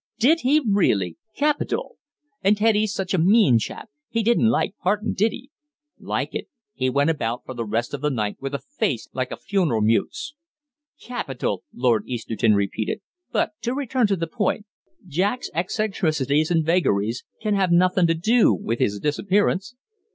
"Did he really? Capital! And Teddy's such a mean chap; he didn't like partin', did he?" "Like it? He went about for the rest of the night with a face like a funeral mute's." "Capital!" Lord Easterton repeated. "But to return to the point, Jack's eccentricities and vagaries can have nothin' to do with his disappearance."